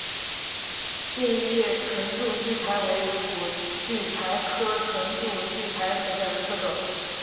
线叶唇柱苣苔为苦苣苔科唇柱苣苔属下的一个种。